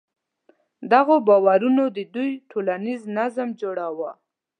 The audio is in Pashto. دغو باورونو د دوی ټولنیز نظم جوړاوه.